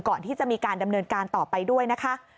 ก่อนที่จะมีการดำเนินการต่อไปด้วยนะคะ